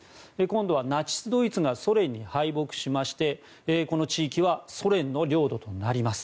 今度はナチス・ドイツがソ連に敗北しましてこの地域はソ連の領土となります。